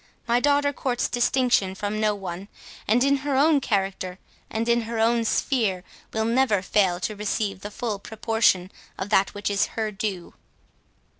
My daughter courts distinction from no one; and in her own character, and in her own sphere, will never fail to receive the full proportion of that which is her due."